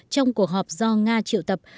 trong cuộc họp do nga triệu tập